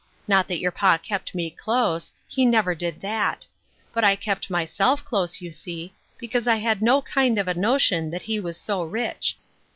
Not that your pa kept me close ; he never did that. But I kept my self close, you see, because I had no kind of a notion that he was so rich."